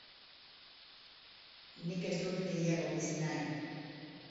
Nik ez dut gehiago bizi nahi.